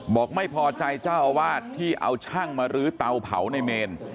บอกไม่พอใจเจ้าอาวาสที่เอาช่างมาลื้อเตาเผาในเมน